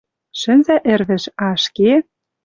Шӹнзӓ Ӹрвӹж, а ӹшке